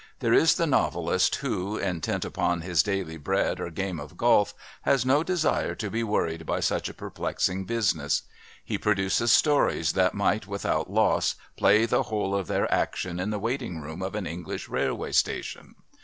There is the novelist who, intent upon his daily bread or game of golf, has no desire to be worried by such a perplexing business. He produces stories that might without loss play the whole of their action in the waiting room of an English railway station.